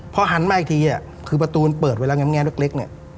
แล้วอีกทีเนี่ยคือประตูเปิดไว้แล้วแง่มเล็กเนี่ย